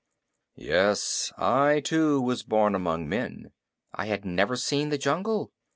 Yes, I too was born among men. I had never seen the jungle.